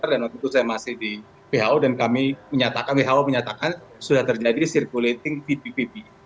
dan waktu itu saya masih di who dan kami menyatakan who menyatakan sudah terjadi circulating vdpv